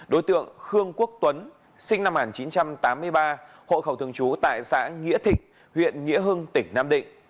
đối tượng khương quốc tuấn sinh năm một nghìn chín trăm tám mươi ba hội khẩu thường chú tại xã nghĩa thịnh huyện nghĩa hưng tp nam định